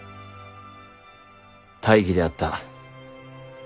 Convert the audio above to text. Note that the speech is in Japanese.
大儀であった。